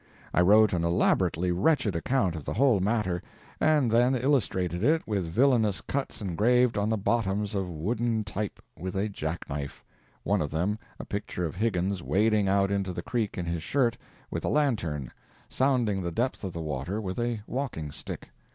I wrote an elaborately wretched account of the whole matter, and then illustrated it with villainous cuts engraved on the bottoms of wooden type with a jack knife—one of them a picture of Higgins wading out into the creek in his shirt, with a lantern, sounding the depth of the water with a walking stick.